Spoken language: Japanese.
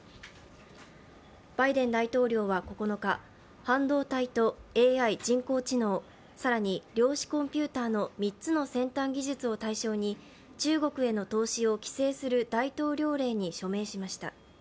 バイデン大統領は９日、半導体とＡＩ＝人工知能更に量子コンピューターの３つの先端技術を対象に中国への投資を規制する大統領令に署名しました。